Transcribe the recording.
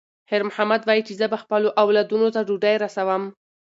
خیر محمد وایي چې زه به خپلو اولادونو ته ډوډۍ رسوم.